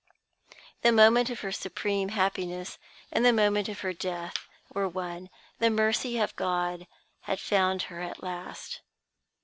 The moment of her supreme happiness and the moment of her death were one. The mercy of God had found her at last.